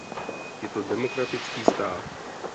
Je to demokratický stát.